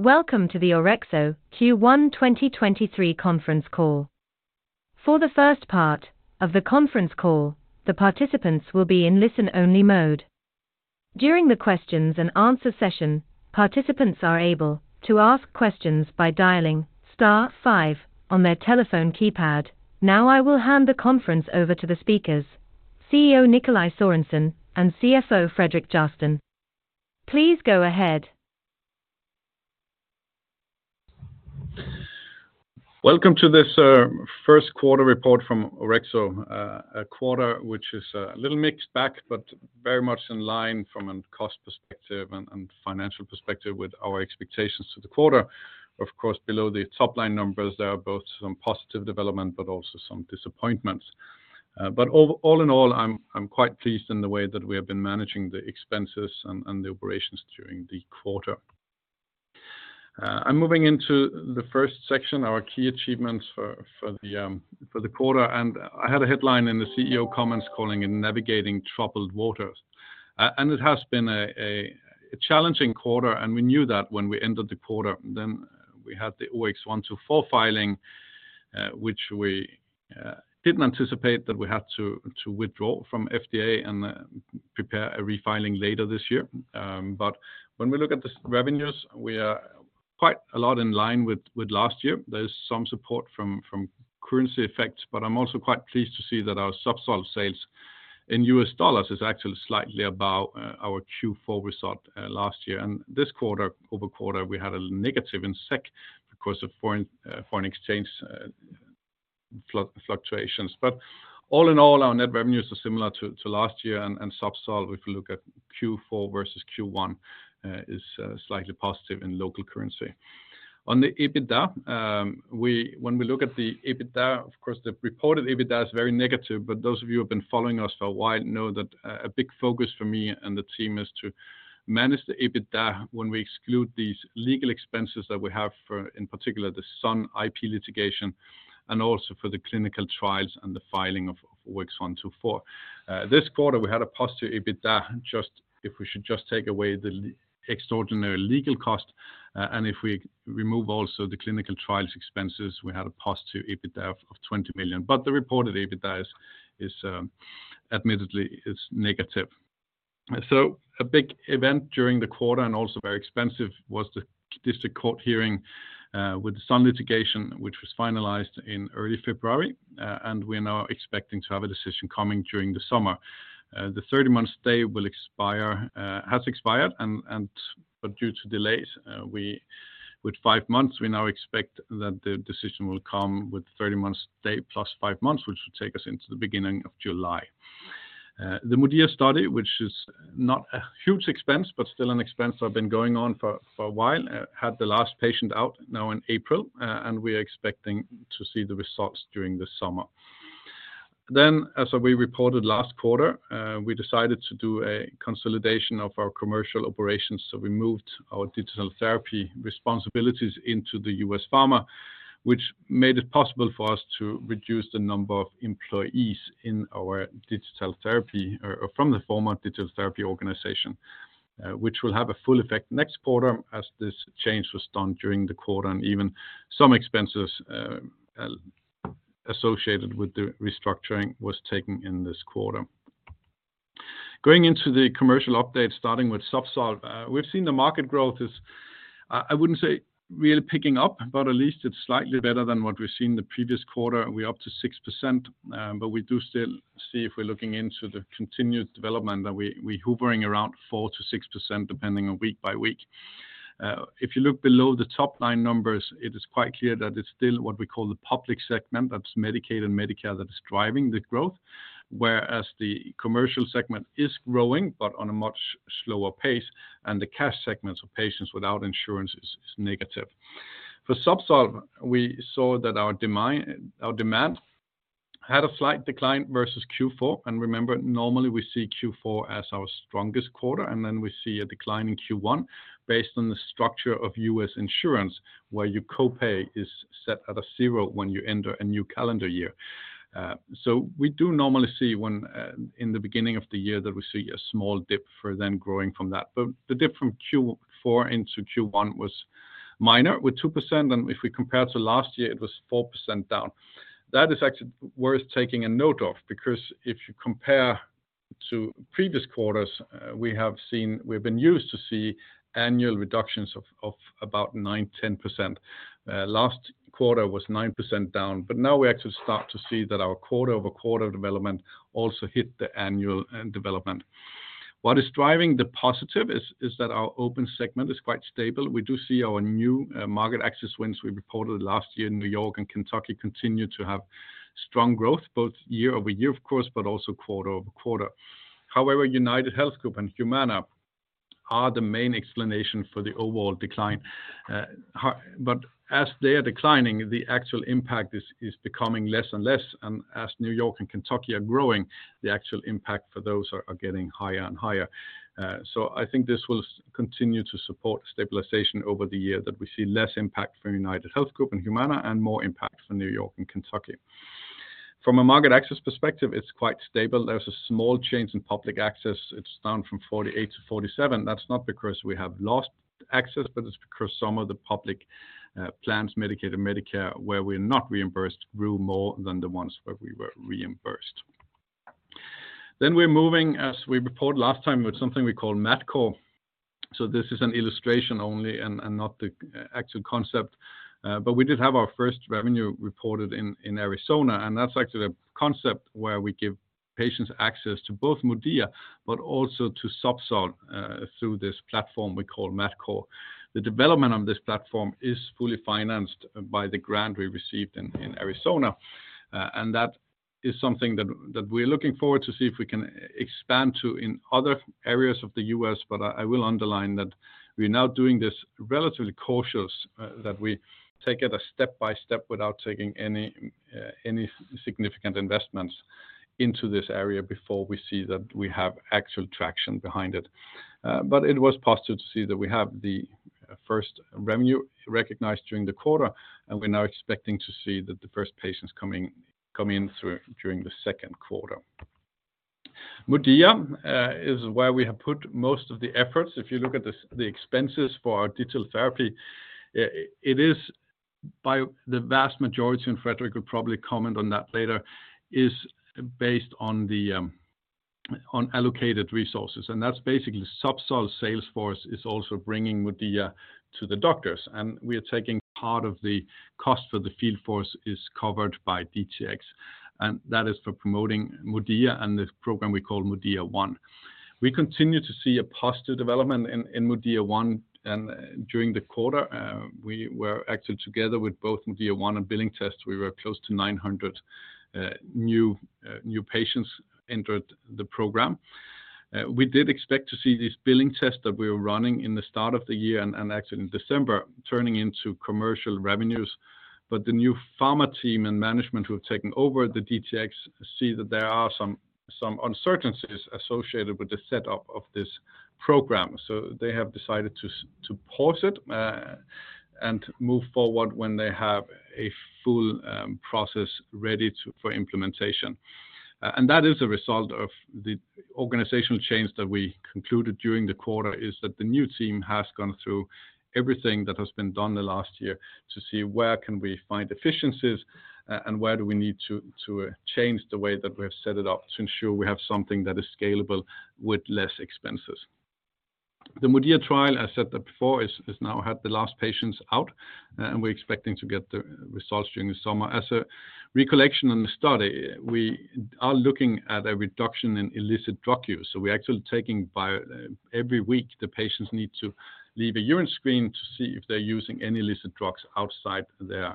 Welcome to the Orexo Q1 2023 Conference Call. For the first part of the Conference Call, the participants will be in listen-only mode. During the questions and answer session, participants are able to ask questions by dialing star five on their telephone keypad. I will hand the Conference over to the speakers, CEO Nikolaj Sørensen and CFO Fredrik Järrsten. Please go ahead. Welcome to this first quarter report from Orexo. A quarter which is a little mixed back, but very much in line from a cost perspective and financial perspective with our expectations for the quarter. Of course, below the top line numbers, there are both some positive development but also some disappointments. All in all, I'm quite pleased in the way that we have been managing the expenses and the operations during the quarter. I'm moving into the first section, our key achievements for the quarter. I had a headline in the CEO comments calling it Navigating Troubled Waters. It has been a challenging quarter, and we knew that when we ended the quarter. We had the OX124 filing, which we didn't anticipate that we had to withdraw from FDA and prepare a refiling later this year. When we look at the revenues, we are quite a lot in line with last year. There's some support from currency effects, but I'm also quite pleased to see that our ZUBSOLV sales in US dollars is actually slightly above our Q4 result last year. This quarter-over-quarter, we had a negative in SEK because of foreign exchange fluctuations. All in all, our net revenues are similar to last year. ZUBSOLV, if you look at Q4 versus Q1, is slightly positive in local currency. On the EBITDA. When we look at the EBITDA, of course, the reported EBITDA is very negative. Those of you who have been following us for a while know that a big focus for me and the team is to manage the EBITDA when we exclude these legal expenses that we have for, in particular, the Sun IP litigation and also for the clinical trials and the filing of OX124. This quarter, we had a positive EBITDA, just if we should just take away the extraordinary legal cost, and if we remove also the clinical trials expenses, we had a positive EBITDA of 20 million. The reported EBITDA is admittedly negative. A big event during the quarter, and also very expensive, was the District Court hearing with the Sun litigation, which was finalized in early February. And we are now expecting to have a decision coming during the summer. The 30-month stay will expire, has expired, but due to delays, with five months, we now expect that the decision will come with 30-month stay plus five months, which will take us into the beginning of July. The MODIA study, which is not a huge expense but still an expense that have been going on for a while, had the last patient out now in April, we are expecting to see the results during the summer. As we reported last quarter, we decided to do a consolidation of our commercial operations, we moved our digital therapy responsibilities into the U.S. pharma, which made it possible for us to reduce the number of employees in our digital therapy or from the former digital therapy organization. Which will have a full effect next quarter as this change was done during the quarter and even some expenses associated with the restructuring was taken in this quarter. Going into the commercial update, starting with ZUBSOLV. We've seen the market growth is, I wouldn't say really picking up, but at least it's slightly better than what we've seen the previous quarter. We're up to 6%, but we do still see if we're looking into the continued development that we hovering around 4%-6% depending on week by week. If you look below the top line numbers, it is quite clear that it's still what we call the public segment. That's Medicaid and Medicare that is driving the growth. The commercial segment is growing but on a much slower pace, and the cash segments for patients without insurance is negative. For ZUBSOLV, we saw that our demand had a slight decline versus Q4. Remember, normally we see Q4 as our strongest quarter, and then we see a decline in Q1 based on the structure of U.S. insurance, where your copay is set at a 0 when you enter a new calendar year. We do normally see when in the beginning of the year that we see a small dip for then growing from that. The dip from Q4 into Q1 was minor with 2%, and if we compare to last year, it was 4% down. That is actually worth taking a note of because if you compare to previous quarters, we have seen... We've been used to see annual reductions of about 9%, 10%. Last quarter was 9% down. Now we actually start to see that our quarter-over-quarter development also hit the annual development. What is driving the positive is that our open segment is quite stable. We do see our new market access wins we reported last year in New York and Kentucky continue to have strong growth, both year-over-year of course, but also quarter-over-quarter. UnitedHealth Group and Humana are the main explanation for the overall decline. But as they are declining, the actual impact is becoming less and less. As New York and Kentucky are growing, the actual impact for those are getting higher and higher. I think this will continue to support stabilization over the year, that we see less impact from UnitedHealth Group and Humana and more impact from New York and Kentucky. From a market access perspective, it's quite stable. There's a small change in public access. It's down from 48 to 47. That's not because we have lost access, but it's because some of the public plans, Medicaid and Medicare, where we're not reimbursed grew more than the ones where we were reimbursed. We're moving, as we reported last time, with something we call MedCo. This is an illustration only and not the actual concept. We did have our first revenue reported in Arizona, and that's actually a concept where we give patients access to both MODIA but also to ZUBSOLV through this platform we call MedCo. The development of this platform is fully financed by the grant we received in Arizona. That is something that we're looking forward to see if we can expand to in other areas of the US. I will underline that we're now doing this relatively cautious, that we take it a step by step without taking any significant investments into this area before we see that we have actual traction behind it. It was positive to see that we have the first revenue recognized during the quarter, and we're now expecting to see that the first patients come in during the second quarter. MODIA is where we have put most of the efforts. If you look at the expenses for our digital therapy, it is by the vast majority, and Fredrik will probably comment on that later, is based on the on allocated resources. That's basically ZUBSOLV sales force is also bringing MODIA to the doctors. We are taking part of the cost for the field force is covered by DTx, and that is for promoting MODIA and this program we call MODIA One. We continue to see a positive development in MODIA One, and during the quarter, we were actually together with both MODIA One and billing tests, we were close to 900 new patients entered the program. We did expect to see these billing tests that we were running in the start of the year and actually in December turning into commercial revenues. The new pharma team and management who have taken over the DTx see that there are some uncertainties associated with the setup of this program, so they have decided to pause it and move forward when they have a full process ready to, for implementation. That is a result of the organizational change that we concluded during the quarter, is that the new team has gone through everything that has been done the last year to see where can we find efficiencies and where do we need to change the way that we have set it up to ensure we have something that is scalable with less expenses. The MODIA trial, I said that before, has now had the last patients out, and we're expecting to get the results during the summer. As a recollection on the study, we are looking at a reduction in illicit drug use. we're actually taking. Every week, the patients need to leave a urine screen to see if they're using any illicit drugs outside their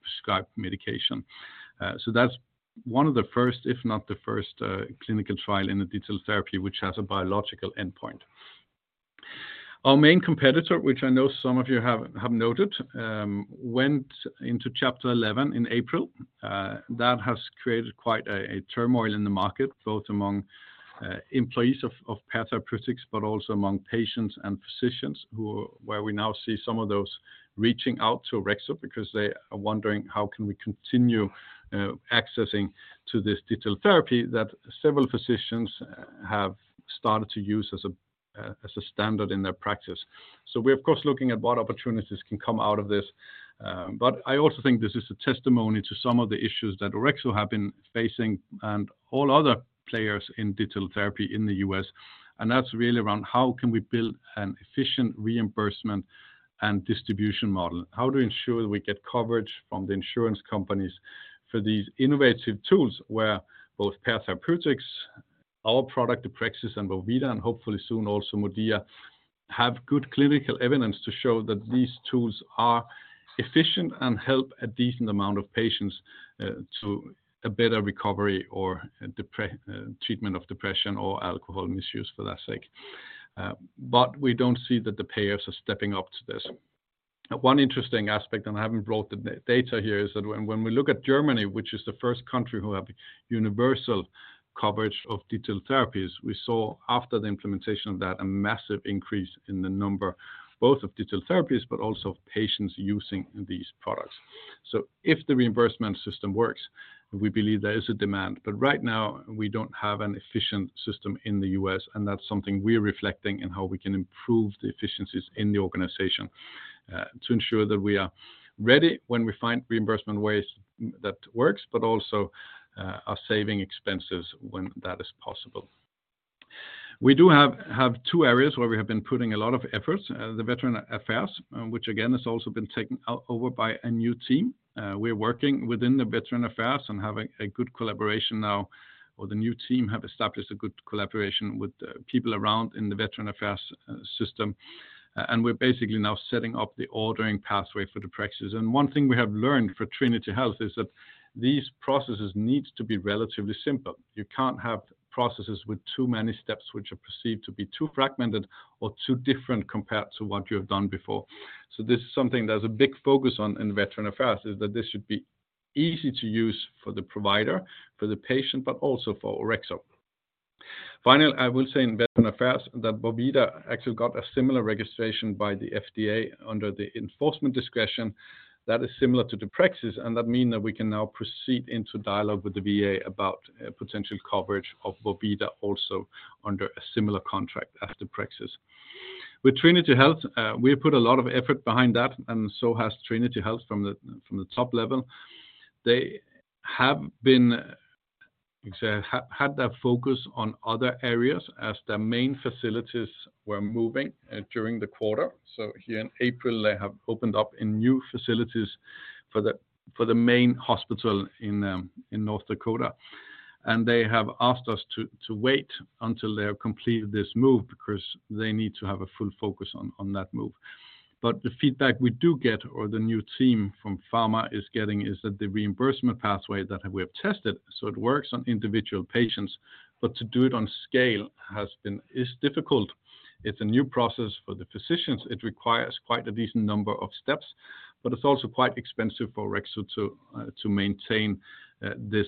prescribed medication. that's one of the first, if not the first clinical trial in the digital therapy, which has a biological endpoint. Our main competitor, which I know some of you have noted, went into Chapter 11 in April. That has created quite a turmoil in the market, both among employees of Pear Therapeutics, but also among patients and physicians who. where we now see some of those reaching out to Orexo because they are wondering, "How can we continue accessing to this digital therapy that several physicians have started to use as a standard in their practice?" We're of course looking at what opportunities can come out of this. I also think this is a testimony to some of the issues that Orexo have been facing and all other players in digital therapy in the U.S., and that's really around how can we build an efficient reimbursement and distribution model? How to ensure we get coverage from the insurance companies for these innovative tools, where both Pear Therapeutics, our product, Euplexis and Vorvida, and hopefully soon also MODIA, have good clinical evidence to show that these tools are efficient and help a decent amount of patients to a better recovery or treatment of depression or alcohol misuse for that sake. We don't see that the payers are stepping up to this. One interesting aspect, I haven't brought the data here, is that when we look at Germany, which is the first country who have universal coverage of digital therapies, we saw after the implementation of that, a massive increase in the number both of digital therapies but also patients using these products. If the reimbursement system works, we believe there is a demand. Right now, we don't have an efficient system in the U.S., and that's something we're reflecting in how we can improve the efficiencies in the organization to ensure that we are ready when we find reimbursement ways that works, but also are saving expenses when that is possible. We do have two areas where we have been putting a lot of efforts. The Veterans Affairs, which again has also been taken over by a new team. We're working within the Veterans Affairs and have a good collaboration now, or the new team have established a good collaboration with people around in the Veterans Affairs system. We're basically now setting up the ordering pathway for the practices. One thing we have learned for Trinity Health is that these processes needs to be relatively simple. You can't have processes with too many steps which are perceived to be too fragmented or too different compared to what you have done before. This is something that is a big focus on in Veterans Affairs, is that this should be easy to use for the provider, for the patient, but also for Orexo. Finally, I will say in Veterans Affairs that Vorvida actually got a similar registration by the FDA under the enforcement discretion that is similar to deprexis. That mean that we can now proceed into dialogue with the VA about potential coverage of Vorvida also under a similar contract as deprexis. With Trinity Health, we have put a lot of effort behind that, and so has Trinity Health from the top level. They have been, you could say, had their focus on other areas as their main facilities were moving during the quarter. Here in April, they have opened up in new facilities for the main hospital in North Dakota. They have asked us to wait until they have completed this move because they need to have a full focus on that move. The feedback we do get, or the new team from pharma is getting, is that the reimbursement pathway that we have tested, so it works on individual patients, but to do it on scale is difficult. It's a new process for the physicians. It requires quite a decent number of steps, but it's also quite expensive for Orexo to maintain this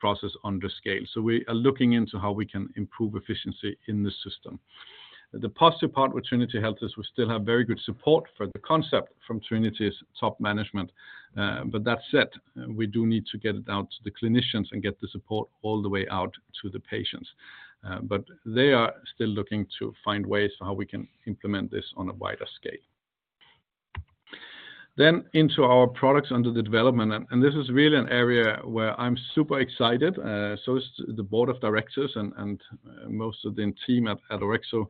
process under scale. We are looking into how we can improve efficiency in the system. The positive part with Trinity Health is we still have very good support for the concept from Trinity's top management. That said, we do need to get it out to the clinicians and get the support all the way out to the patients. They are still looking to find ways how we can implement this on a wider scale. Into our products under the development, and this is really an area where I'm super excited, so is the board of directors and most of the team at Orexo,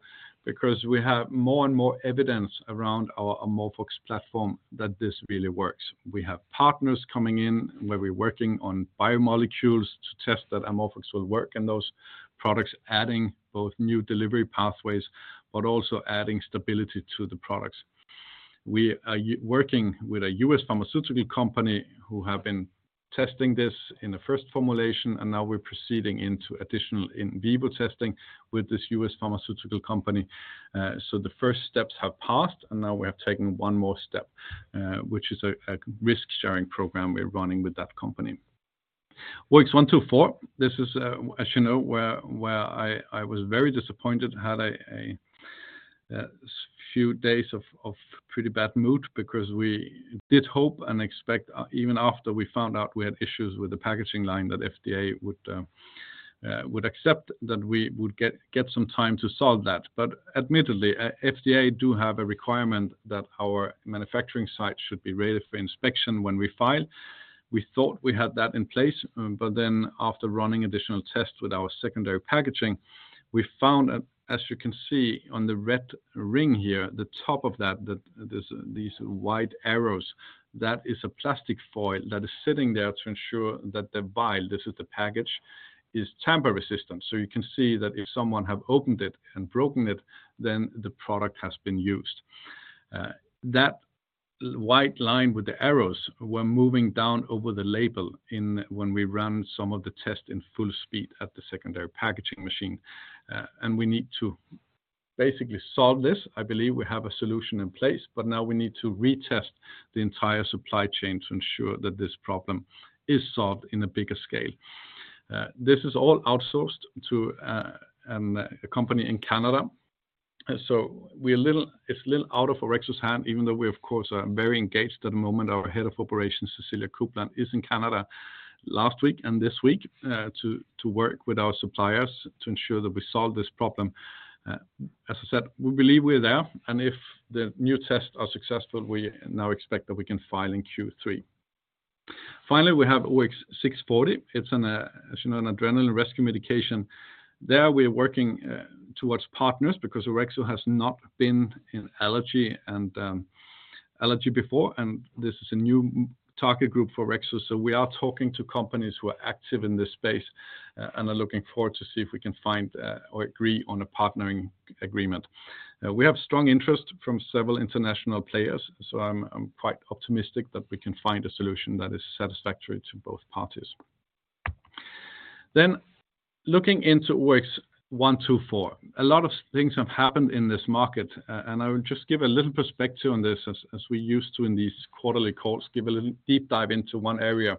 because we have more and more evidence around our AmorphOX platform that this really works. We have partners coming in where we're working on biomolecules to test that AmorphOX will work in those products, adding both new delivery pathways, but also adding stability to the products. We are working with a U.S. pharmaceutical company who have been testing this in the first formulation, and now we're proceeding into additional in vivo testing with this U.S. pharmaceutical company. The first steps have passed, and now we have taken 1 more step, which is a risk-sharing program we're running with that company. OX124, this is, as you know, where I was very disappointed, had a few days of pretty bad mood because we did hope and expect, even after we found out we had issues with the packaging line, that FDA would accept that we would get some time to solve that. Admittedly, FDA do have a requirement that our manufacturing site should be ready for inspection when we file. We thought we had that in place, after running additional tests with our secondary packaging, we found, as you can see on the red ring here, the top of that, these white arrows, that is a plastic foil that is sitting there to ensure that the vial, this is the package, is tamper-resistant. You can see that if someone have opened it and broken it, then the product has been used. That white line with the arrows were moving down over the label when we ran some of the tests in full speed at the secondary packaging machine. We need to basically solve this. I believe we have a solution in place, but now we need to retest the entire supply chain to ensure that this problem is solved in a bigger scale. This is all outsourced to a company in Canada. We're a little out of Orexo's hand, even though we of course are very engaged at the moment. Our Head of Operations, Cecilia Coupland, is in Canada last week and this week to work with our suppliers to ensure that we solve this problem. As I said, we believe we're there, and if the new tests are successful, we now expect that we can file in Q3. We have OX640. It's as you know, an adrenaline rescue medication. There we're working towards partners because Orexo has not been in allergy and allergy before, and this is a new target group for Orexo. We are talking to companies who are active in this space and are looking forward to see if we can find or agree on a partnering agreement. We have strong interest from several international players, I'm quite optimistic that we can find a solution that is satisfactory to both parties. Looking into OX124. A lot of things have happened in this market. I will just give a little perspective on this as we used to in these quarterly calls, give a little deep dive into one area.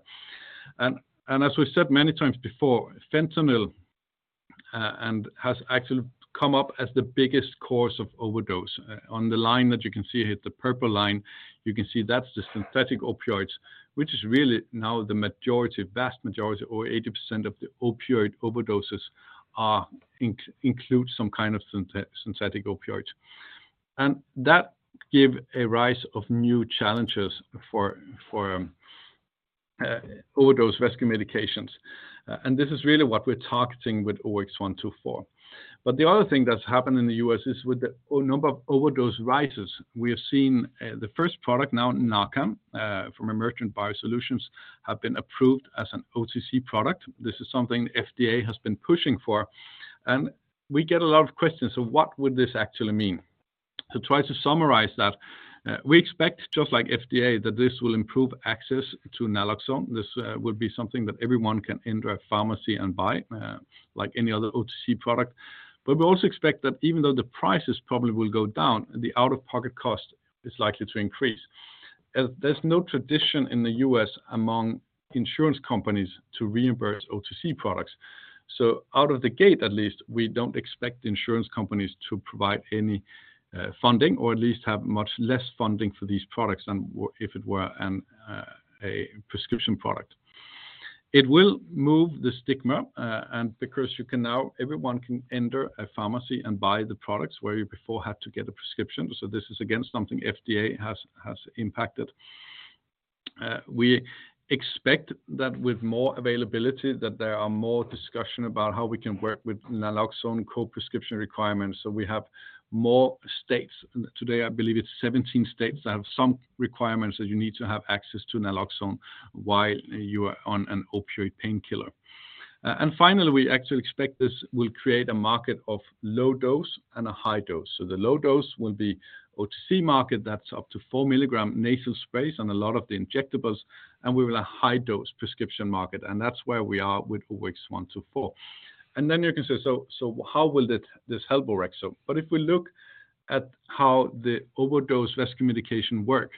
As we said many times before, fentanyl has actually come up as the biggest cause of overdose. On the line that you can see here, the purple line, you can see that's the synthetic opioids, which is really now the majority, vast majority, over 80% of the opioid overdoses include some kind of synthetic opioids. That give a rise of new challenges for overdose rescue medications. This is really what we're targeting with OX124. The other thing that's happened in the US is with the number of overdose rises, we have seen the first product now, NARCAN from Emergent BioSolutions, have been approved as an OTC product. This is something FDA has been pushing for. We get a lot of questions of what would this actually mean. To try to summarize that, we expect, just like FDA, that this will improve access to naloxone. This will be something that everyone can enter a pharmacy and buy, like any other OTC product. We also expect that even though the prices probably will go down, the out-of-pocket cost is likely to increase. There's no tradition in the U.S. among insurance companies to reimburse OTC products. Out of the gate, at least, we don't expect insurance companies to provide any funding, or at least have much less funding for these products than if it were a prescription product. It will move the stigma, because you can now... everyone can enter a pharmacy and buy the products where you before had to get a prescription. This is, again, something FDA has impacted. We expect that with more availability that there are more discussion about how we can work with naloxone co-prescription requirements. We have more states. Today, I believe it's 17 states that have some requirements that you need to have access to naloxone while you are on an opioid painkiller. Finally, we actually expect this will create a market of low dose and a high dose. The low dose will be OTC market, that's up to 4 milligram nasal sprays and a lot of the injectables, and we will have high dose prescription market, and that's where we are with AUVI-Q 1-4. You can say, how will this help Orexo? If we look at how the overdose rescue medication work,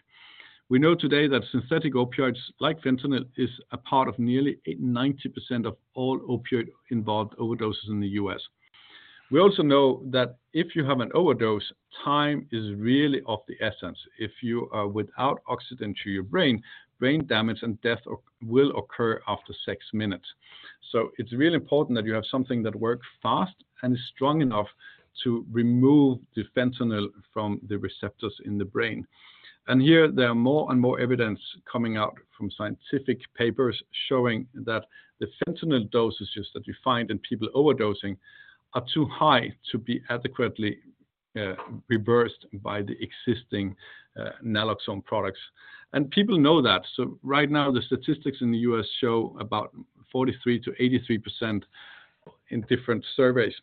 we know today that synthetic opioids like fentanyl is a part of nearly 90% of all opioid-involved overdoses in the U.S. We also know that if you have an overdose, time is really of the essence. If you are without oxygen to your brain damage and death will occur after six minutes. It's really important that you have something that works fast and is strong enough to remove the fentanyl from the receptors in the brain. Here, there are more and more evidence coming out from scientific papers showing that the fentanyl dosages that you find in people overdosing are too high to be adequately reversed by the existing naloxone products. People know that. Right now, the statistics in the U.S. show about 43%-83% in different surveys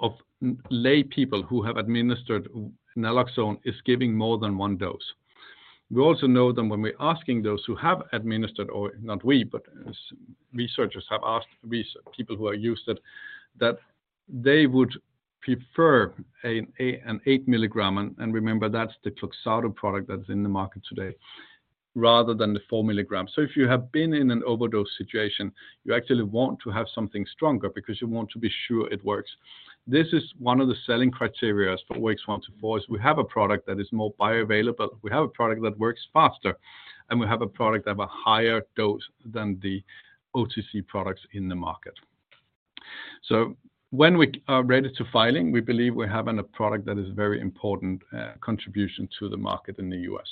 of lay people who have administered naloxone is giving more than 1 dose. We also know that when we're asking those who have administered, or not we, but researchers have asked people who are users, that they would prefer an 8 milligram, and remember that's the Kloxxado product that's in the market today, rather than the 4 milligram. If you have been in an overdose situation, you actually want to have something stronger because you want to be sure it works. This is one of the selling criterias for AUVI-Q 1-4, is we have a product that is more bioavailable, we have a product that works faster, and we have a product of a higher dose than the OTC products in the market. When we are ready to filing, we believe we're having a product that is very important contribution to the market in the U.S.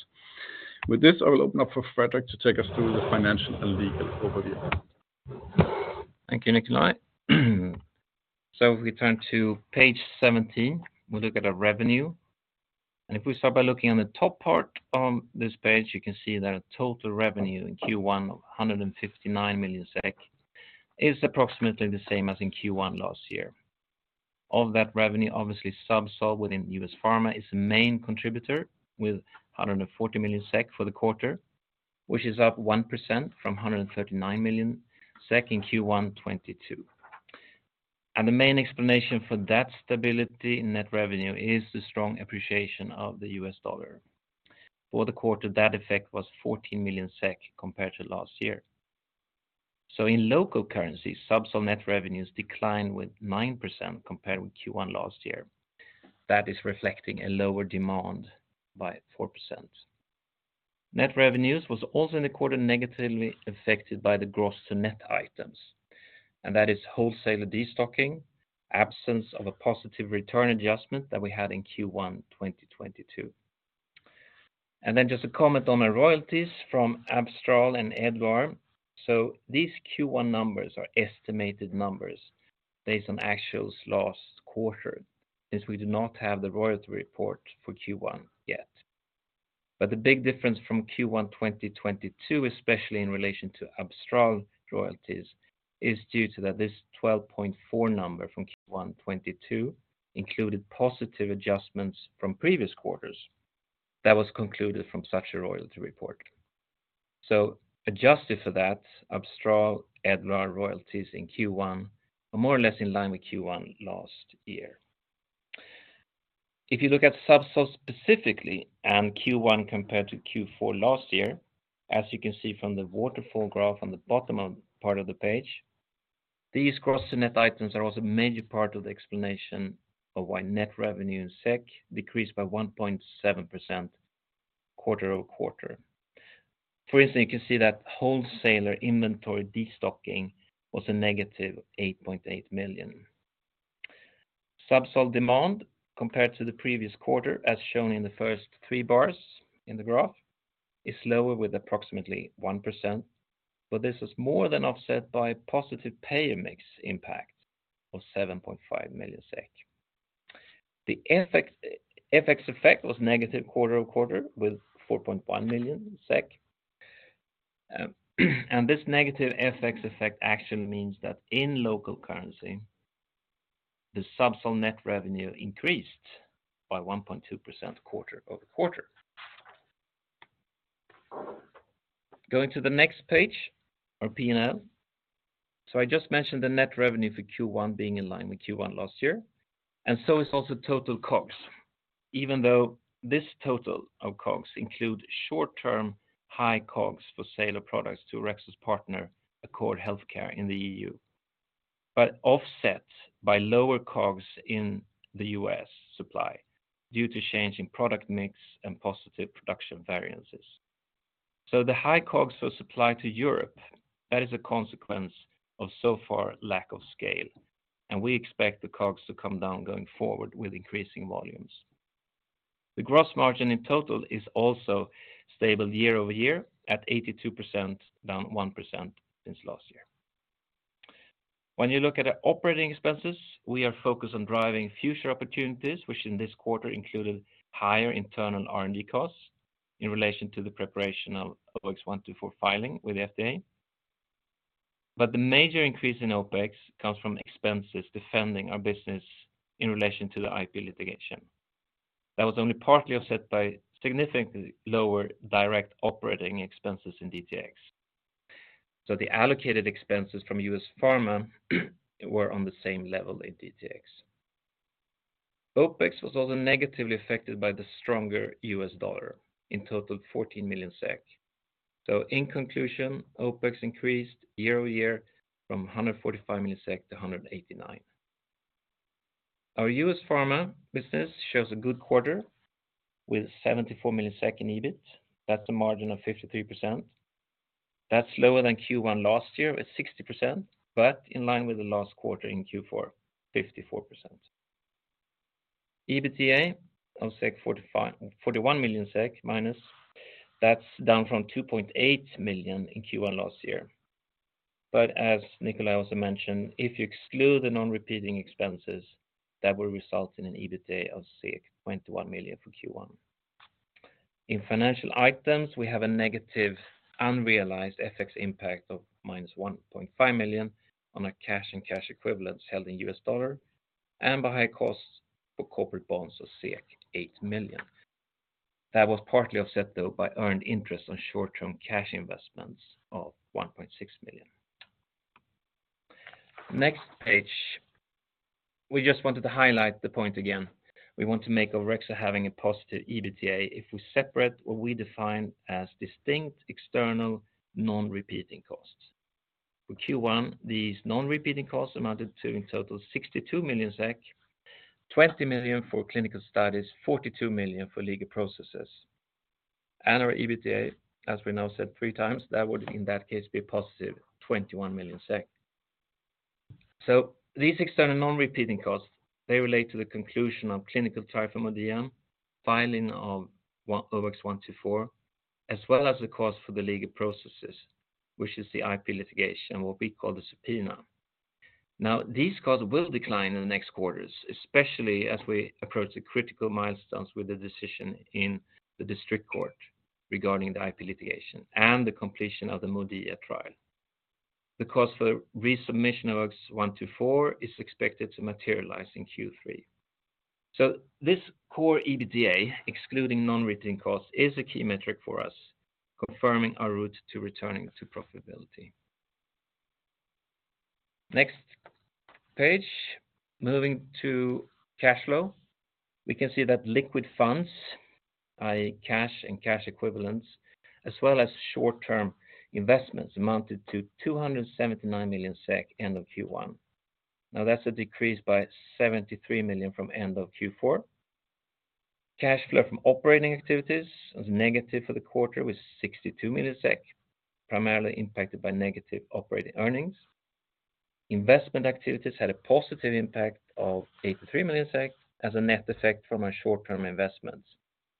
With this, I will open up for Fredrik to take us through the financial and legal overview. Thank you, Nikolaj. If we turn to page 17, we look at our revenue. If we start by looking on the top part on this page, you can see that our total revenue in Q1 of 159 million SEK is approximately the same as in Q1 last year. Of that revenue, obviously, ZUBSOLV within US Pharma is the main contributor with 140 million SEK for the quarter, which is up 1% from 139 million SEK in Q1 2022. The main explanation for that stability in net revenue is the strong appreciation of the US dollar. For the quarter, that effect was 14 million SEK compared to last year. In local currency, ZUBSOLV net revenues declined with 9% compared with Q1 last year. That is reflecting a lower demand by 4%. Net revenues was also in the quarter negatively affected by the gross to net items, and that is wholesaler destocking, absence of a positive return adjustment that we had in Q1 2022. Just a comment on our royalties from Abstral and Edluar. These Q1 numbers are estimated numbers based on actuals last quarter, since we do not have the royalty report for Q1 yet. The big difference from Q1 2022, especially in relation to Abstral royalties, is due to that this 12.4 number from Q1 2022 included positive adjustments from previous quarters that was concluded from such a royalty report. Adjusted for that, Abstral Edluar royalties in Q1 are more or less in line with Q1 last year. If you look at ZUBSOLV specifically and Q1 compared to Q4 last year, as you can see from the waterfall graph on the bottom of... part of the page, these gross to net items are also a major part of the explanation of why net revenue in SEK decreased by 1.7% quarter-over-quarter. You can see that wholesaler inventory destocking was a negative 8.8 million. ZUBSOLV demand compared to the previous quarter, as shown in the first three bars in the graph, is lower with approximately 1%. This is more than offset by positive pay mix impact of SEK 7.5 million. The FX effect was negative quarter-over-quarter with 4.1 million SEK. This negative FX effect actually means that in local currency, the ZUBSOLV net revenue increased by 1.2% quarter-over-quarter. Going to the next page, our P&L. I just mentioned the net revenue for Q1 being in line with Q1 last year, and so is also total COGS. Even though this total of COGS include short-term high COGS for sale of products to Orexo's partner, Accord Healthcare in the EU. Offset by lower COGS in the US supply due to change in product mix and positive production variances. The high COGS for supply to Europe, that is a consequence of so far lack of scale, and we expect the COGS to come down going forward with increasing volumes. The gross margin in total is also stable year-over-year at 82%, down 1% since last year. When you look at our operating expenses, we are focused on driving future opportunities, which in this quarter included higher internal R&D costs in relation to the preparation of OX124 filing with FDA. The major increase in OpEx comes from expenses defending our business in relation to the IP litigation. That was only partly offset by significantly lower direct operating expenses in DTx. The allocated expenses from U.S. pharma were on the same level in DTx. OpEx was also negatively affected by the stronger U.S. dollar, in total 14 million SEK. In conclusion, OpEx increased year-over-year from 145 million SEK to 189 million. Our U.S. pharma business shows a good quarter with 74 million in EBIT. That's a margin of 53%. That's lower than Q1 last year at 60%, but in line with the last quarter in Q4, 54%. EBITDA of 41 million SEK minus. That's down from 2.8 million in Q1 last year. As Nikolaj also mentioned, if you exclude the non-repeating expenses, that will result in an EBITDA of 21 million for Q1. In financial items, we have a negative unrealized FX impact of minus 1.5 million on a cash and cash equivalents held in U.S. dollar and by high costs for corporate bonds of 8 million. That was partly offset, though, by earned interest on short-term cash investments of 1.6 million. Next page. We just wanted to highlight the point again. We want to make Orexo having a positive EBITDA if we separate what we define as distinct, external, non-repeating costs. For Q1, these non-repeating costs amounted to, in total, 62 million SEK, 20 million for clinical studies, 42 million for legal processes. Our EBITDA, as we now said three times, that would in that case be a positive 21 million SEK. These external non-repeating costs, they relate to the conclusion of clinical trial for MODIA, filing of OX124, as well as the cost for the legal processes, which is the IP litigation, what we call the subpoena. These costs will decline in the next quarters, especially as we approach the critical milestones with the decision in the District Court regarding the IP litigation and the completion of the MODIA trial. The cost for resubmission of OX124 is expected to materialize in Q3. This core EBITDA, excluding non-repeating costs, is a key metric for us confirming our route to returning to profitability. Next page. Moving to cash flow. We can see that liquid funds, i.e. cash and cash equivalents, as well as short-term investments, amounted to 279 million SEK end of Q1. That's a decrease by 73 million from end of Q4. Cash flow from operating activities was negative for the quarter with 62 million SEK, primarily impacted by negative operating earnings. Investment activities had a positive impact of 83 million SEK as a net effect from our short-term investments,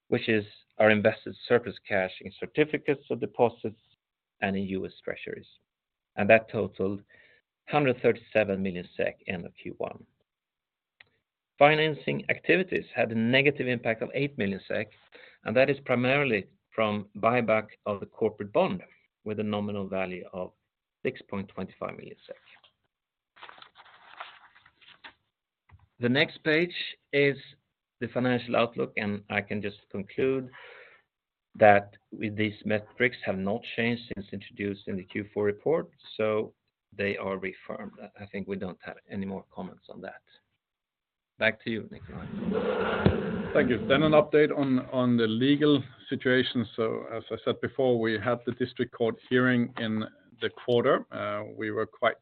which is our invested surplus cash in certificates of deposits and in US Treasuries. That totaled 137 million SEK end of Q1. Financing activities had a negative impact of 8 million SEK, that is primarily from buyback of the corporate bond with a nominal value of 6.25 million. The next page is the financial outlook, I can just conclude that these metrics have not changed since introduced in the Q4 report, they are reaffirmed. I think we don't have any more comments on that. Back to you, Nikolaj. Thank you. An update on the legal situation. As I said before, we had the District Court hearing in the quarter. We were quite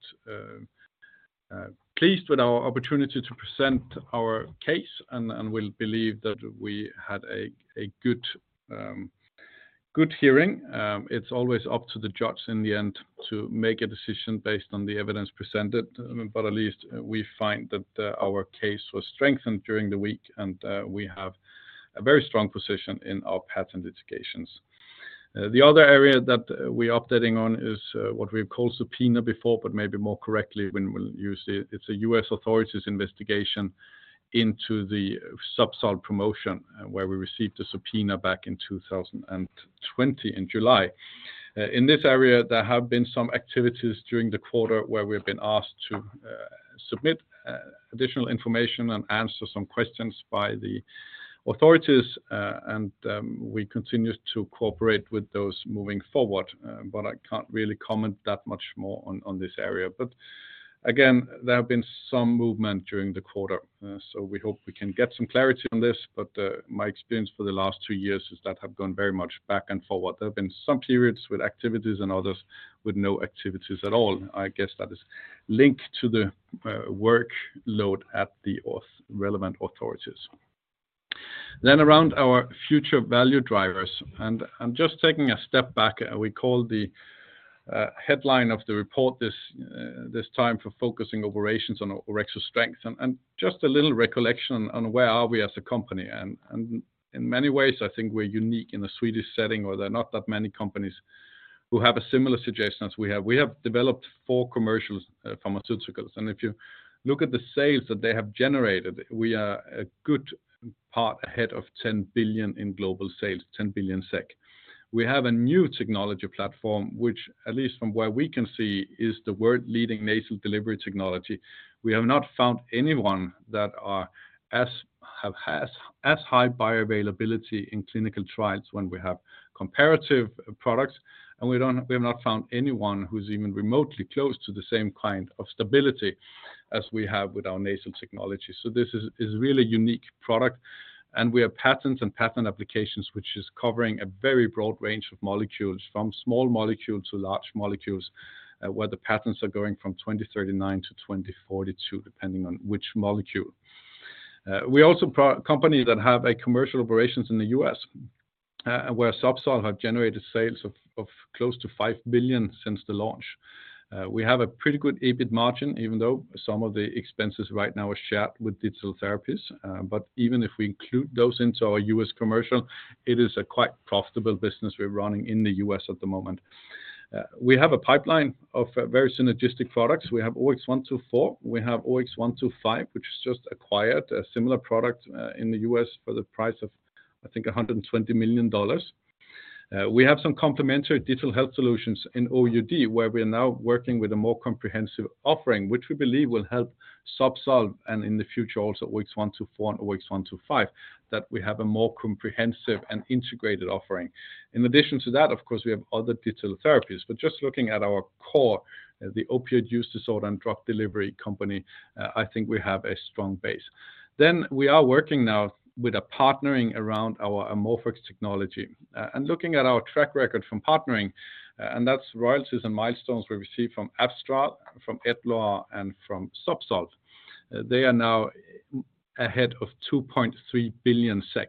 pleased with our opportunity to present our case and we believe that we had a good hearing. It's always up to the judge in the end to make a decision based on the evidence presented, but at least we find that our case was strengthened during the week, and we have a very strong position in our patent litigations. The other area that we're updating on is what we've called subpoena before, but maybe more correctly when we'll use it. It's a U.S. authorities investigation into the ZUBSOLV promotion, where we received a subpoena back in 2020 in July. In this area, there have been some activities during the quarter where we've been asked to submit additional information and answer some questions by the authorities, and we continue to cooperate with those moving forward. I can't really comment that much more on this area. Again, there have been some movement during the quarter, so we hope we can get some clarity on this. My experience for the last two years is that have gone very much back and forward. There have been some periods with activities and others with no activities at all. I guess that is linked to the workload at the relevant authorities. Around our future value drivers, I'm just taking a step back. We call the headline of the report this time for focusing operations on Orexo's strengths. Just a little recollection on where are we as a company, and in many ways, I think we're unique in a Swedish setting, where there are not that many companies who have a similar situation as we have. We have developed four commercials, pharmaceuticals, If you look at the sales that they have generated, we are a good part ahead of 10 billion in global sales, 10 billion SEK. We have a new technology platform which at least from where we can see, is the world-leading nasal delivery technology. We have not found anyone that have as high bioavailability in clinical trials when we have comparative products, we have not found anyone who's even remotely close to the same kind of stability as we have with our nasal technology. This is a really unique product. We have patents and patent applications which is covering a very broad range of molecules, from small molecules to large molecules, where the patents are going from 2039 to 2042, depending on which molecule. We also a company that have a commercial operations in the US, where ZUBSOLV have generated sales of close to $5 billion since the launch. We have a pretty good EBIT margin, even though some of the expenses right now are shared with digital therapies. Even if we include those into our US commercial, it is a quite profitable business we're running in the US at the moment. We have a pipeline of very synergistic products. We have OX124. We have OX125, which is just acquired, a similar product, in the U.S. for the price of, I think, $120 million. We have some complementary digital health solutions in OUD, where we are now working with a more comprehensive offering, which we believe will help ZUBSOLV and in the future also OX124 and OX125, that we have a more comprehensive and integrated offering. In addition to that, of course, we have other digital therapies, but just looking at our core, the opioid use disorder and drug delivery company, I think we have a strong base. We are working now with a partnering around our AmorphOX technology. Looking at our track record from partnering, and that's royalties and milestones we receive from Abstral, from Edluar and from ZUBSOLV. They are now ahead of 2.3 billion SEK,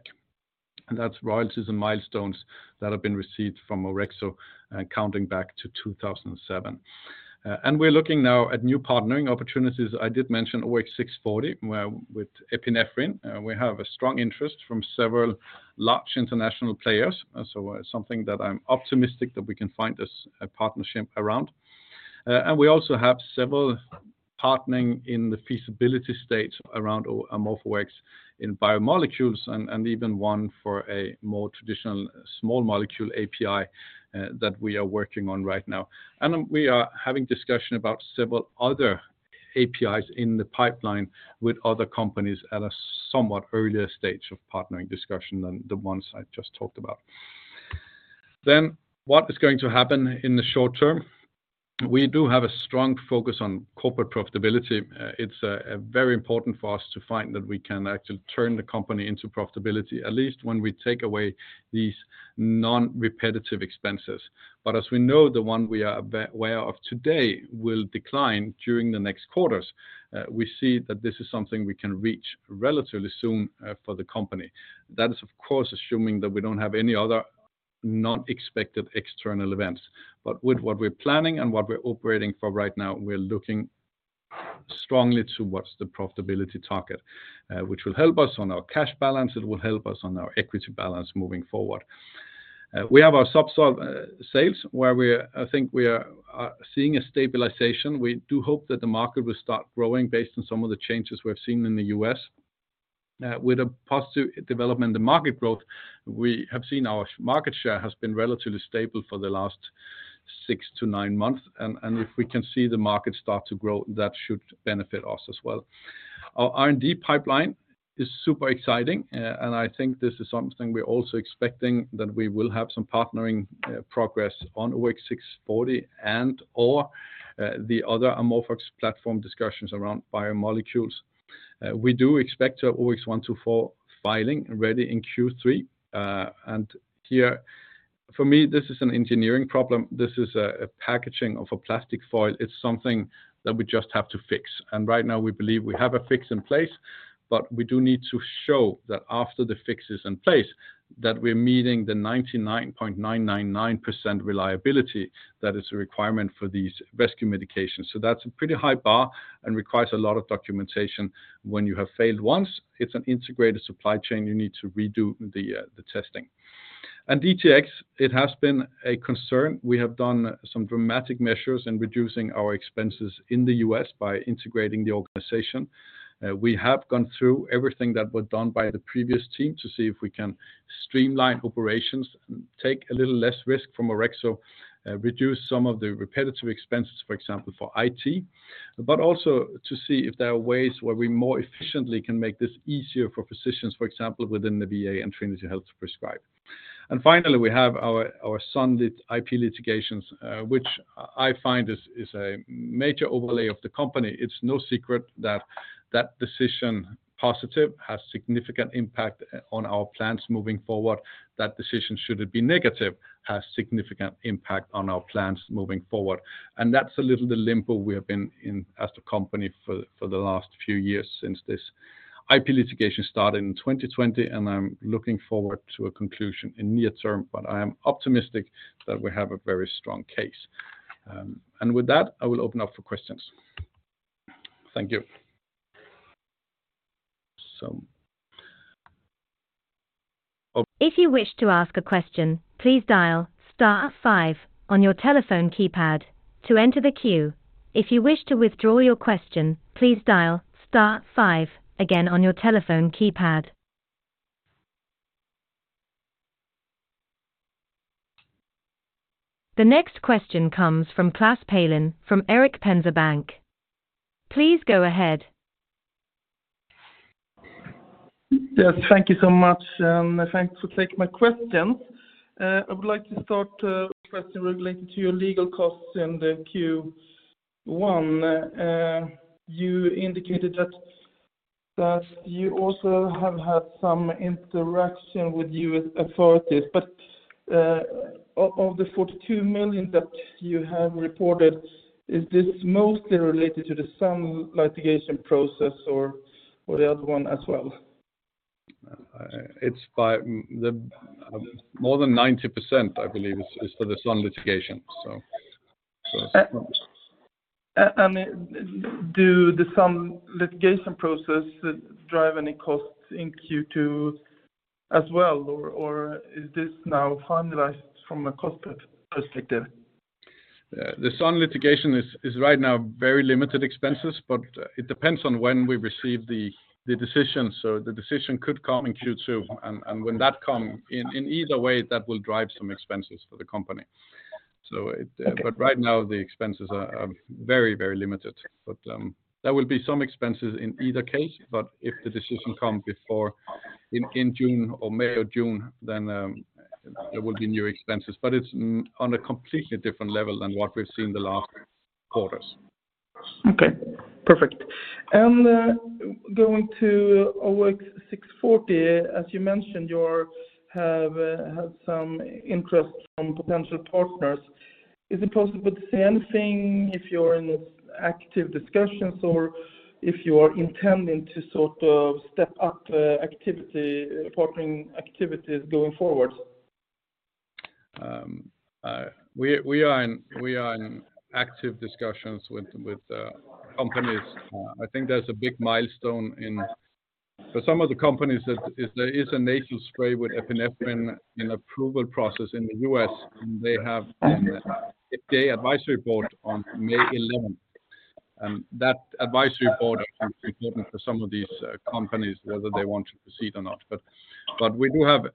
and that's royalties and milestones that have been received from Orexo, counting back to 2007. We're looking now at new partnering opportunities. I did mention OX640 where with epinephrine, we have a strong interest from several large international players. Something that I'm optimistic that we can find this partnership around. We also have several partnering in the feasibility stage around AmorphOX in biomolecules and even one for a more traditional small molecule API, that we are working on right now. We are having discussion about several other APIs in the pipeline with other companies at a somewhat earlier stage of partnering discussion than the ones I just talked about. What is going to happen in the short term? We do have a strong focus on corporate profitability. It's very important for us to find that we can actually turn the company into profitability, at least when we take away these non-repetitive expenses. As we know, the one we are aware of today will decline during the next quarters. We see that this is something we can reach relatively soon for the company. That is, of course, assuming that we don't have any other not expected external events. With what we're planning and what we're operating for right now, we're looking strongly towards the profitability target, which will help us on our cash balance, it will help us on our equity balance moving forward. We have our ZUBSOLV sales, where we I think we are seeing a stabilization. We do hope that the market will start growing based on some of the changes we're seeing in the US. With a positive development in the market growth, we have seen our market share has been relatively stable for the last 6 to 9 months, and if we can see the market start to grow, that should benefit us as well. Our R&D pipeline is super exciting, and I think this is something we're also expecting that we will have some partnering progress on OX640 and or the other AmorphX platform discussions around biomolecules. We do expect our OX124 filing ready in Q3. Here for me, this is an engineering problem. This is a packaging of a plastic foil. It's something that we just have to fix. Right now, we believe we have a fix in place. We do need to show that after the fix is in place, that we're meeting the 99.999% reliability that is a requirement for these rescue medications. That's a pretty high bar and requires a lot of documentation. When you have failed once, it's an integrated supply chain, you need to redo the testing. DTx, it has been a concern. We have done some dramatic measures in reducing our expenses in the US by integrating the organization. We have gone through everything that was done by the previous team to see if we can streamline operations, take a little less risk from Orexo, reduce some of the repetitive expenses, for example, for IT. Also to see if there are ways where we more efficiently can make this easier for physicians, for example, within the VA and Trinity Health to prescribe. Finally, we have our IP litigations, which I find is a major overlay of the company. It's no secret that that decision positive has significant impact on our plans moving forward. That decision should it be negative, has significant impact on our plans moving forward. That's a little the limbo we have been in as the company for the last few years since this IP litigation started in 2020. I'm looking forward to a conclusion in near term. I am optimistic that we have a very strong case. With that, I will open up for questions. Thank you. If you wish to ask a question, please dial star five on your telephone keypad to enter the queue. If you wish to withdraw your question, please dial star five again on your telephone keypad. The next question comes from Klas Palin from Erik Penser Bank. Please go ahead. Yes, thank you so much, and thanks for taking my questions. I would like to start with a question related to your legal costs in the Q1. You indicated that you also have had some interaction with U.S. authorities. Of the 42 million that you have reported, is this mostly related to the Sun litigation process or the other one as well? More than 90%, I believe, is for the Sun litigation. Do the Sun litigation process drive any costs in Q2 as well, or is this now finalized from a cost perspective? The Sun litigation is right now very limited expenses, but it depends on when we receive the decision. The decision could come in Q2. When that come in either way, that will drive some expenses for the company. Okay. Right now, the expenses are very limited. There will be some expenses in either case. If the decision come before in June, or May or June, then there will be new expenses. It's on a completely different level than what we've seen in the last quarters. Okay, perfect. Going to OX640, as you mentioned, you've had some interest from potential partners. Is it possible to say anything if you're in active discussions or if you are intending to sort of step up, activity, partnering activities going forward? We are in active discussions with companies. I think there's a big milestone for some of the companies, if there is a nasal spray with epinephrine in approval process in the U.S. They have an FDA advisory committee on May 11th. That advisory board is important for some of these companies, whether they want to proceed or not.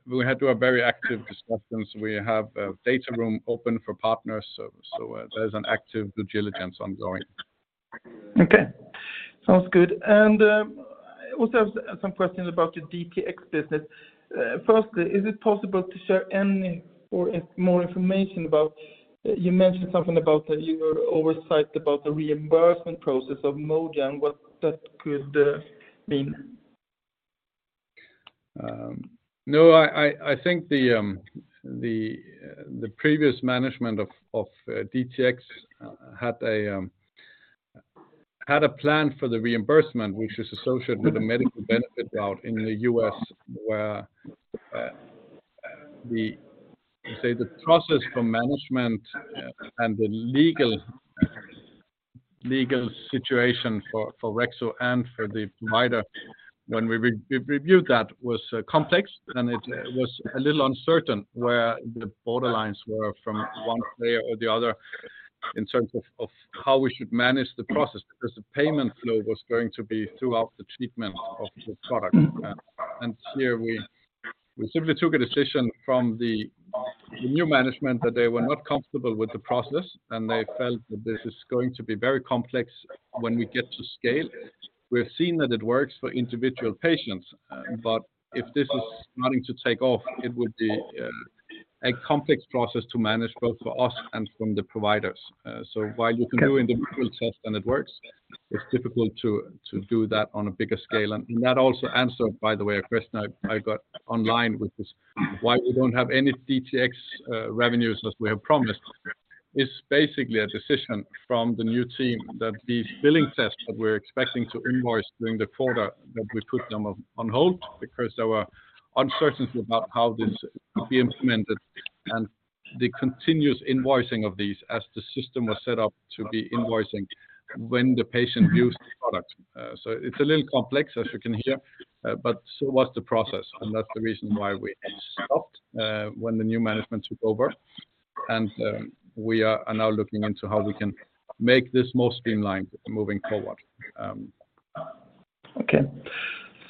We had very active discussions. We have a data room open for partners. There's an active due diligence ongoing. Okay. Sounds good. Also have some questions about the DTx business. Firstly, is it possible to share any or more information about... You mentioned something about your oversight about the reimbursement process of MODIA and what that could mean? No, I think the previous management of DTx had a plan for the reimbursement, which is associated with a medical benefit route in the US, where the say the process for management and the legal situation for Orexo and for the provider, when we re-reviewed that was complex, and it was a little uncertain where the border lines were from one player or the other in terms of how we should manage the process, because the payment flow was going to be throughout the treatment of the product. Here we simply took a decision from the new management that they were not comfortable with the process and they felt that this is going to be very complex when we get to scale. We've seen that it works for individual patients. If this is starting to take off, it would be a complex process to manage both for us and from the providers. While you can do individual tests and it works, it's difficult to do that on a bigger scale. That also answered, by the way, a question I got online, which is why we don't have any DTx revenues as we have promised. It's basically a decision from the new team that these billing tests that we're expecting to invoice during the quarter, that we put them on hold because there were uncertainties about how this could be implemented and the continuous invoicing of these as the system was set up to be invoicing when the patient used the product. It's a little complex, as you can hear, but so was the process, and that's the reason why we stopped, when the new management took over. We are now looking into how we can make this more streamlined moving forward. Okay.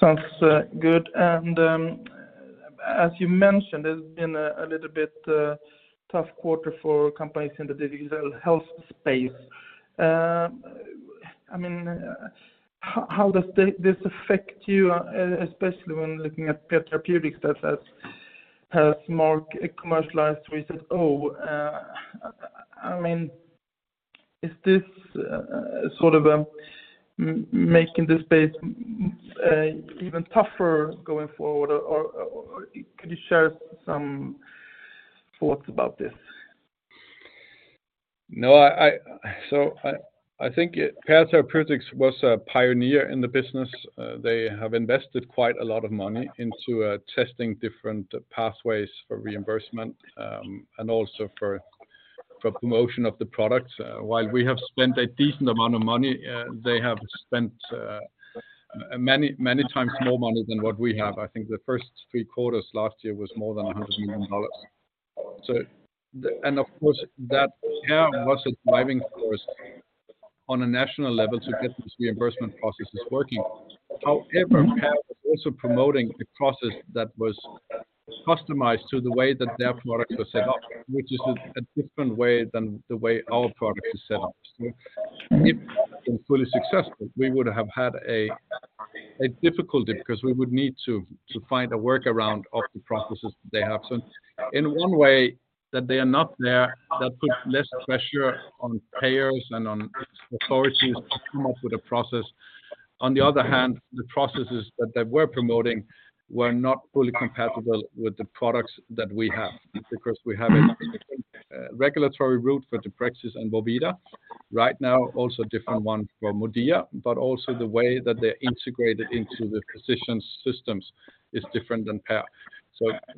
Sounds good. As you mentioned, it's been a little bit tough quarter for companies in the digital health space. I mean, how does this affect you, especially when looking at Pear Therapeutics that has more commercialized research? I mean, is this sort of making the space even tougher going forward, or could you share some thoughts about this? I think Pear Therapeutics was a pioneer in the business. They have invested quite a lot of money into testing different pathways for reimbursement, and also for promotion of the product. While we have spent a decent amount of money, they have spent many, many times more money than what we have. I think the first three quarters last year was more than $100 million. Of course, that Pear was a driving force on a national level to get these reimbursement processes working. However, Pear was also promoting a process that was customized to the way that their products were set up, which is a different way than the way our product is set up. If they'd been fully successful, we would have had a difficulty because we would need to find a workaround of the processes that they have. In one way that they are not there, that puts less pressure on payers and on authorities to come up with a process. On the other hand, the processes that they were promoting were not fully compatible with the products that we have. We have a regulatory route or deprexis and Vorvida. Right now, also a different one for MODIA, but also the way that they're integrated into the physician's systems is different than Pear.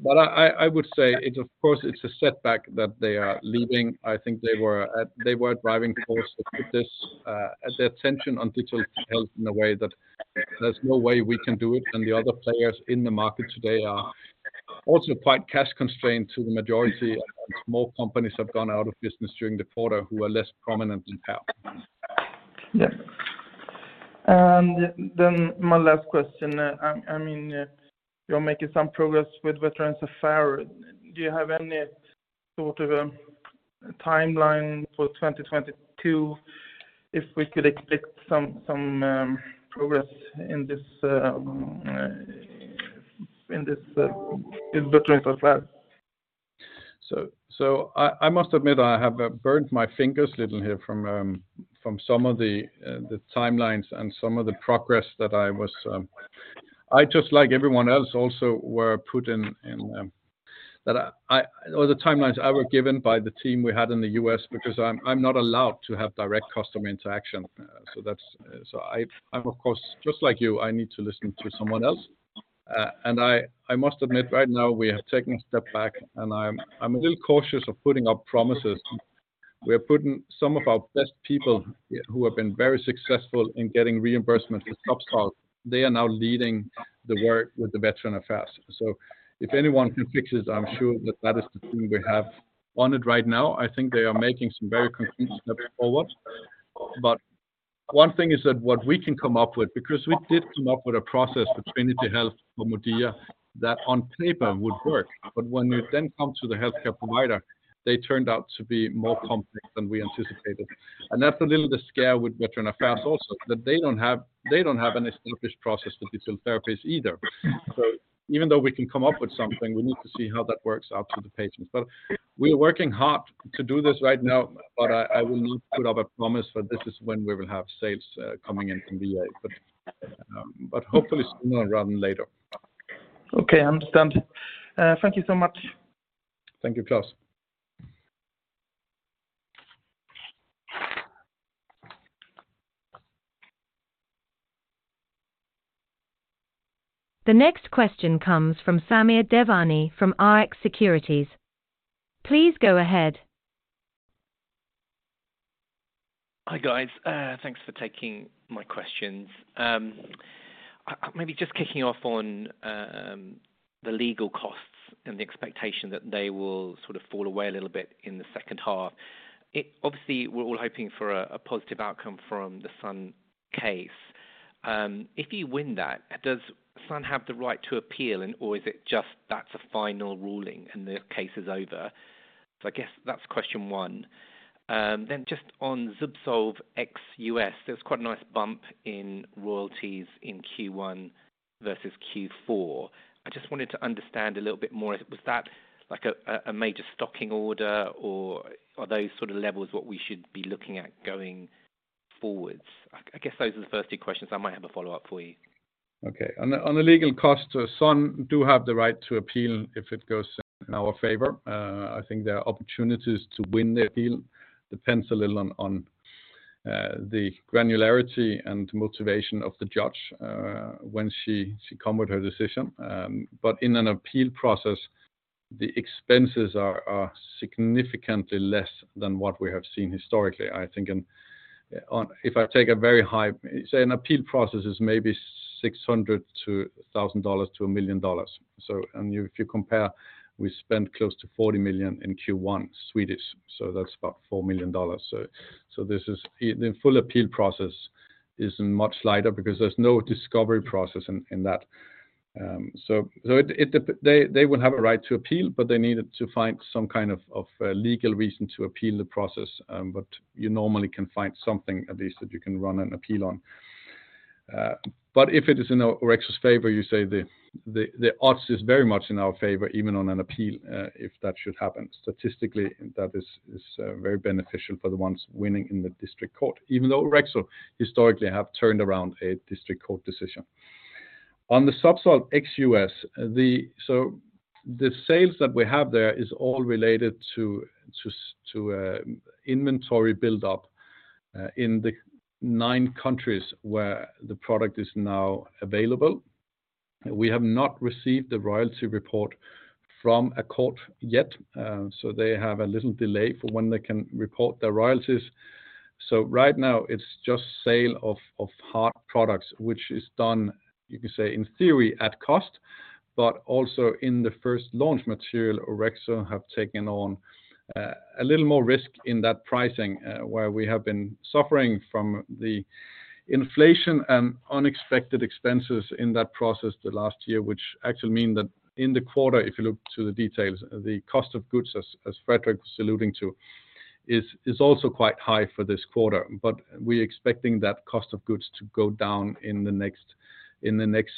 I would say it of course it's a setback that they are leaving. I think they were a driving force that put this, the attention on digital health in a way that there's no way we can do it. The other players in the market today are also quite cash constrained to the majority. Small companies have gone out of business during the quarter who are less prominent than Pear. Yeah. Then my last question, I mean, you're making some progress with Veterans Affairs. Do you have any sort of timeline for 2022 if we could expect some progress in this in this in Veterans Affairs? I must admit, I have burnt my fingers a little here from from some of the the timelines and some of the progress that I was. I just like everyone else also were put in the timelines I was given by the team we had in the U.S. because I'm not allowed to have direct customer interaction. I'm of course, just like you, I need to listen to someone else. I must admit right now we have taken a step back and I'm a little cautious of putting up promises. We are putting some of our best people who have been very successful in getting reimbursement with deprexis. They are now leading the work with the Veterans Affairs. If anyone can fix this, I'm sure that that is the team we have on it right now. I think they are making some very concrete steps forward. One thing is that what we can come up with, because we did come up with a process for Trinity Health for MODIA that on paper would work. When you then come to the healthcare provider, they turned out to be more complex than we anticipated. That's a little the scare with Veterans Affairs also, that they don't have an established process for digital therapies either. Even though we can come up with something, we need to see how that works out for the patients. We are working hard to do this right now, but I will not put up a promise that this is when we will have sales coming in from VA. Hopefully sooner rather than later. Okay, understand. Thank you so much. Thank you, Klas. The next question comes from Samir Devani from Rx Securities. Please go ahead. Hi, guys. Thanks for taking my questions. Maybe just kicking off on the legal costs and the expectation that they will sort of fall away a little bit in the second half. Obviously, we're all hoping for a positive outcome from the Sun case. If you win that, does Sun have the right to appeal and or is it just that's a final ruling and the case is over? I guess that's question one. Just on ZUBSOLV ex US, there was quite a nice bump in royalties in Q1 versus Q4. I just wanted to understand a little bit more. Was that like a major stocking order or are those sort of levels what we should be looking at going forwards? I guess those are the first two questions. I might have a follow-up for you. On the legal cost, Sun do have the right to appeal if it goes in our favor. I think there are opportunities to win the appeal. Depends a little on the granularity and motivation of the judge when she come with her decision. In an appeal process, the expenses are significantly less than what we have seen historically. I think if I take a very high, say an appeal process is maybe $600 to $1,000 to $1 million. If you compare, we spent close to 40 million SEK in Q1, so that's about $4 million. This is in full appeal process. Is much lighter because there's no discovery process in that. They will have a right to appeal, but they needed to find some kind of legal reason to appeal the process. You normally can find something at least that you can run an appeal on. If it is in Orexo's favor, you say the odds is very much in our favor, even on an appeal, if that should happen. Statistically, that is very beneficial for the ones winning in the District Court, even though Orexo historically have turned around a District Court decision. On the ZUBSOLV ex US, the sales that we have there is all related to inventory build-up in the nine countries where the product is now available. We have not received a royalty report from Accord yet, so they have a little delay for when they can report their royalties. Right now, it's just sale of hard products, which is done, you can say, in theory, at cost, but also in the first launch material, Orexo have taken on a little more risk in that pricing, where we have been suffering from the inflation and unexpected expenses in that process the last year, which actually mean that in the quarter, if you look to the details, the cost of goods, as Fredrik Järrsten was alluding to, is also quite high for this quarter. We're expecting that cost of goods to go down in the next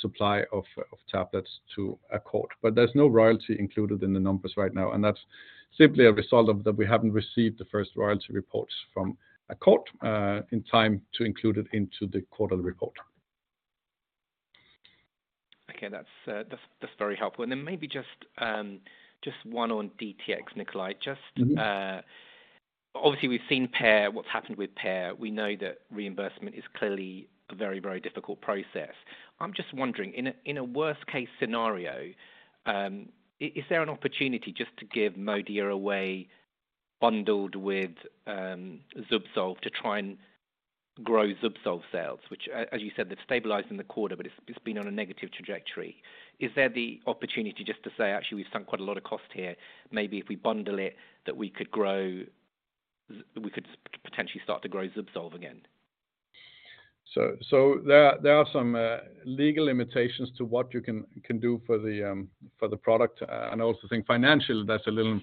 supply of tablets to Accord. There's no royalty included in the numbers right now, and that's simply a result of that we haven't received the first royalty reports from Accord, in time to include it into the quarterly report. Okay. That's very helpful. Maybe just one on DTx, Nikolaj. Mm-hmm. Obviously we've seen Pear, what's happened with Pear. We know that reimbursement is clearly a very, very difficult process. I'm just wondering, in a, in a worst-case scenario, is there an opportunity just to give MODIA away bundled with ZUBSOLV to try and grow ZUBSOLV sales, which as you said, they've stabilized in the quarter, but it's been on a negative trajectory. Is there the opportunity just to say, "Actually, we've spent quite a lot of cost here. Maybe if we bundle it, that we could grow we could potentially start to grow ZUBSOLV again? There are some legal limitations to what you can do for the product. I also think financially, that's a little.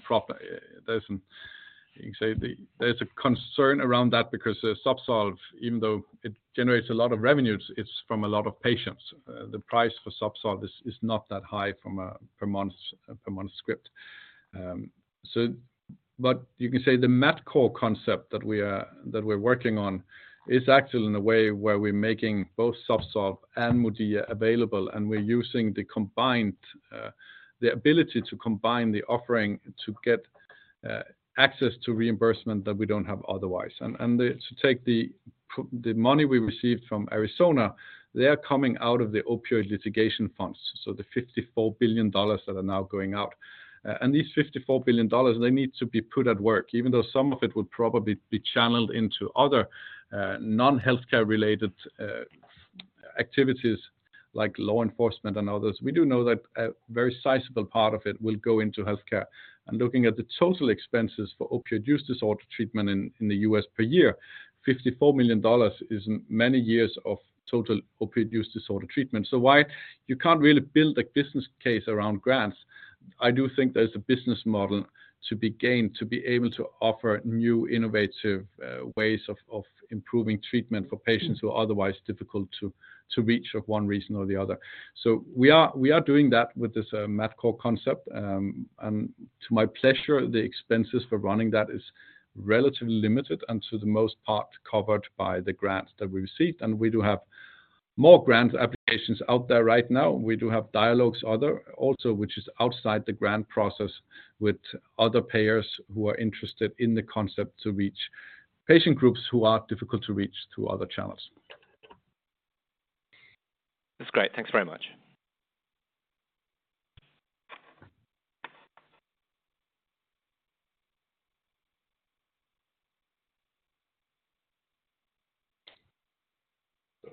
There's, you can say, there's a concern around that because ZUBSOLV, even though it generates a lot of revenues, it's from a lot of patients. The price for ZUBSOLV is not that high from a per month script. But you can say the MATCore concept that we're working on is actually in a way where we're making both ZUBSOLV and MODIA available, and we're using the combined ability to combine the offering to get access to reimbursement that we don't have otherwise. To take the money we received from Arizona, they are coming out of the opioid litigation funds, so the $54 billion that are now going out. These $54 billion, they need to be put at work, even though some of it would probably be channeled into other non-healthcare related activities like law enforcement and others. We do know that a very sizable part of it will go into healthcare. Looking at the total expenses for opioid use disorder treatment in the U.S. per year, $54 million is many years of total opioid use disorder treatment. While you can't really build a business case around grants, I do think there's a business model to be gained to be able to offer new innovative ways of improving treatment for patients who are otherwise difficult to reach for one reason or the other. We are doing that with this MATCore concept. To my pleasure, the expenses for running that is relatively limited and to the most part covered by the grants that we received. We do have more grant applications out there right now. We do have dialogues other, also, which is outside the grant process with other payers who are interested in the concept to reach patient groups who are difficult to reach through other channels. That's great. Thanks very much.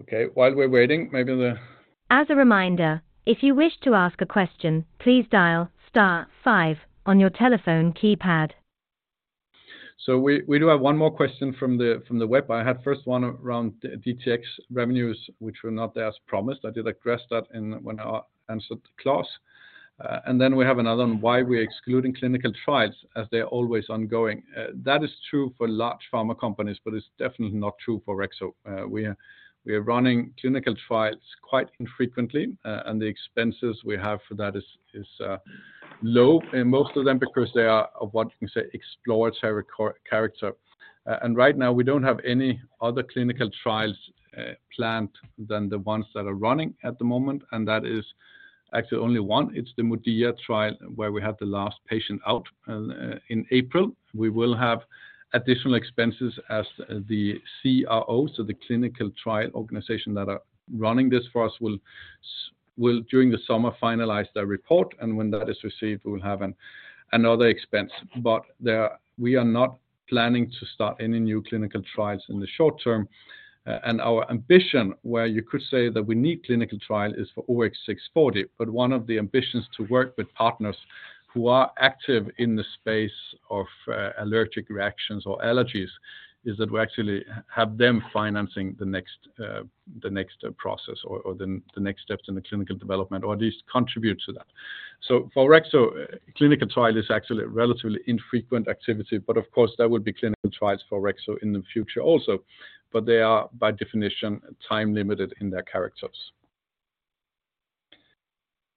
Okay. While we're waiting. As a reminder, if you wish to ask a question, please dial star five on your telephone keypad. We do have one more question from the, from the web. I had first one around DTx revenues, which were not there as promised. I did address that in when I answered Claus. We have another on why we're excluding clinical trials as they're always ongoing. That is true for large pharma companies, but it's definitely not true for Orexo. We are running clinical trials quite infrequently, and the expenses we have for that is, low, and most of them because they are of what you can say exploratory character. Right now we don't have any other clinical trials planned than the ones that are running at the moment, and that is actually only one. It's the MODIA trial where we had the last patient out in April. We will have additional expenses as the CRO, so the clinical trial organization that are running this for us will, during the summer, finalize their report, and when that is received, we will have another expense. We are not planning to start any new clinical trials in the short term. Our ambition, where you could say that we need clinical trial, is for OX640. One of the ambitions to work with partners who are active in the space of allergic reactions or allergies is that we actually have them financing the next, the next, process or the next steps in the clinical development, or at least contribute to that. For Orexo, clinical trial is actually a relatively infrequent activity, but of course, there would be clinical trials for Orexo in the future also. They are, by definition, time-limited in their characters.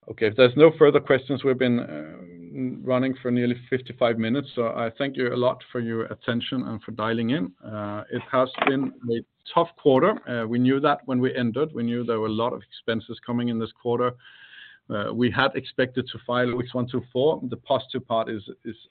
Okay. If there's no further questions, we've been running for nearly 55 minutes, I thank you a lot for your attention and for dialing in. It has been a tough quarter. We knew that when we entered. We knew there were a lot of expenses coming in this quarter. We had expected to file OX124. The positive part is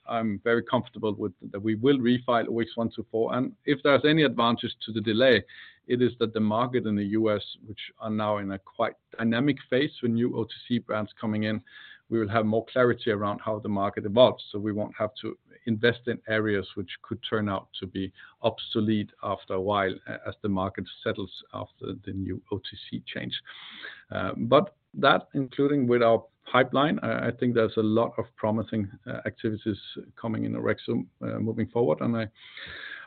I'm very comfortable with that we will refile OX124. If there's any advantage to the delay, it is that the market in the U.S., which are now in a quite dynamic phase with new OTC brands coming in, we will have more clarity around how the market evolves. We won't have to invest in areas which could turn out to be obsolete after a while as the market settles after the new OTC change. That, including with our pipeline, I think there's a lot of promising activities coming in Orexo moving forward.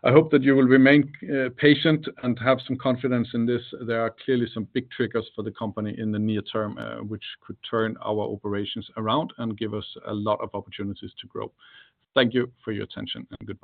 I hope that you will remain patient and have some confidence in this. There are clearly some big triggers for the company in the near term, which could turn our operations around and give us a lot of opportunities to grow. Thank you for your attention, and goodbye.